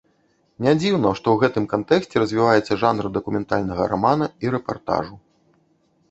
Нядзіўна, што ў гэтым кантэксце развіваецца жанр дакументальнага рамана і рэпартажу.